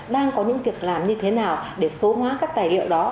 đang có những việc làm như thế nào để số hóa các tài liệu đó